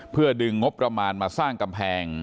เพื่อดึงงบประมาณมาสร้างกำแพง